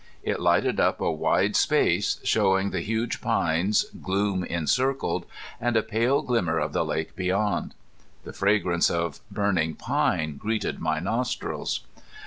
It lighted up a wide space, showing the huge pines, gloom encircled, and a pale glimmer of the lake beyond. The fragrance of burning pine greeted my nostrils.